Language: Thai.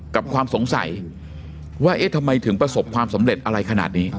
ความสงสัยว่าเอ๊ะทำไมถึงประสบความสำเร็จอะไรขนาดนี้